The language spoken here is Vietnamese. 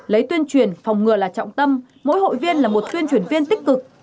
lấy tuyên truyền phòng ngừa là trọng tâm mỗi hội viên là một tuyên truyền viên tích cực